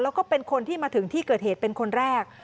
แล้วก็เป็นคนที่มาถึงที่เกิดเหตุเป็นคนแรก